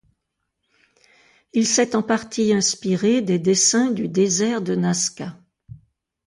Il s'est en partie inspiré des dessins du désert de Nazca.